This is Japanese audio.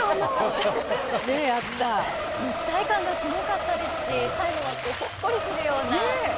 一体感がすごかったですし最後はほっこりするような恋のお話でしたよね。